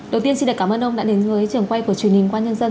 đầu tiên xin cảm ơn ông đã đến với trường quay của truyền hình quân nhân dân